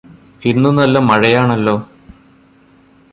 ഇന്നു നല്ല മഴയാണല്ലോ?